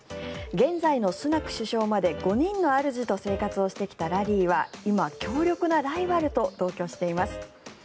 現在のスナク首相まで５人のあるじと生活してきたラリーは今、強力なライバルと同居しています。